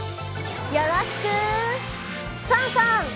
よろしくファンファン！